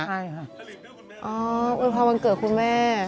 อ๋อคุณปอวันเกิดคุณแม่